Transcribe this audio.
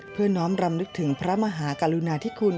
เพื่อน้องรำนึกถึงพระมหากลุณาทิคุณ